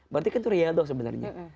berarti kan itu rialdong sebenarnya